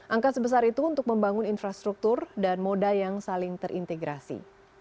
angka sebesar itu untuk membangun infrastruktur dan moda yang saling terintegrasi